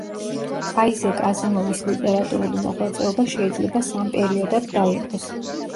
აიზეკ აზიმოვის ლიტერატურული მოღვაწეობა შეიძლება სამ პერიოდად დაიყოს.